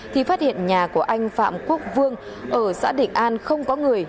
thì phát hiện nhà của anh phạm quốc vương ở xã định an không có người